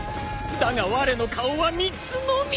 だがわれの顔は３つのみ！